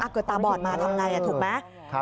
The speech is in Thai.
เกือบตาบอดมาทำไงถูกไหม